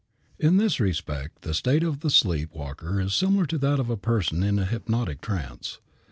In this respect the state of the sleep walker is similar to that of a person in a hypnotic trance.